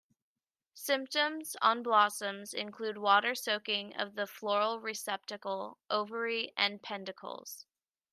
Symptoms on blossoms include water soaking of the floral receptacle, ovary, and peduncles.